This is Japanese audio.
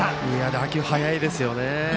打球、速いですよね。